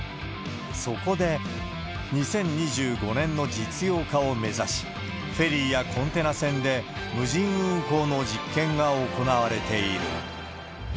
そこで、２０２５年の実用化を目指し、フェリーやコンテナ船で無人運航の実験が行われている。